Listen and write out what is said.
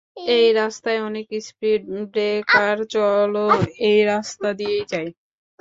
এই রাস্তায় অনেক স্পিড ব্রেকার, চলো এই রাস্তা দিয়েই যাই।